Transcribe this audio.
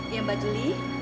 ya mbak juli